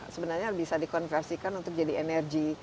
sebenarnya bisa dikonversikan untuk jadi energi bersih kan